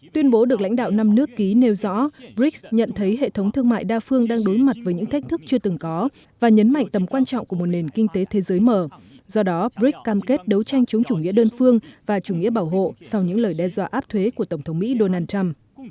tuyên bố được lãnh đạo năm nước ký nêu rõ brics nhận thấy hệ thống thương mại đa phương đang đối mặt với những thách thức chưa từng có và nhấn mạnh tầm quan trọng của một nền kinh tế thế giới mở do đó bric cam kết đấu tranh chống chủ nghĩa đơn phương và chủ nghĩa bảo hộ sau những lời đe dọa áp thuế của tổng thống mỹ donald trump